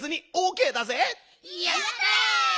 やった！